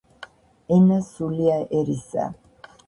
ენა სულია ერისა